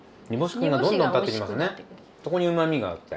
そこにうまみがあって。